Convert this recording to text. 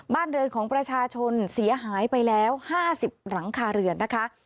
บ้านเรือนของประชาชนเสียหายไปแล้ว๕๐หลังคาเรือนนะคะ